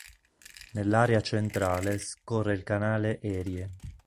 Nell'area centrale scorre il canale Erie.